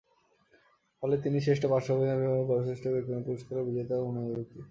ফলে তিনিই শ্রেষ্ঠ পার্শ্ব অভিনেতা বিভাগে বয়োজ্যেষ্ঠ একাডেমি পুরস্কার বিজেতা ও মনোনীত ব্যক্তি।